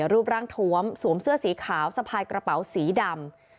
รูปร่างทวมสวมเสื้อสีขาวสะพายกระเป๋าสีดำ